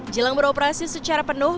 jelang beroperasi secara penuh